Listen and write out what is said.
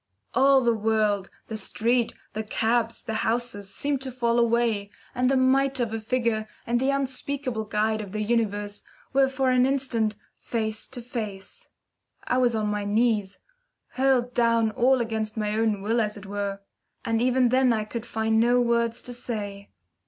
All the world, the street, the cabs, the houses, seemed to fall away, and the mite of a figure and the unspeakable Guide of the Universe were for an instant face to face. I was on my knees hurled down all against my own will, as it were. And even then I could find no words to say.